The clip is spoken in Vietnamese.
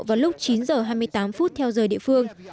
vào lúc chín h hai mươi tám phút theo giờ địa phương